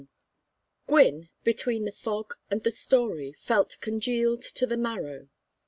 XI Gwynne, between the fog and the story, felt congealed to the marrow.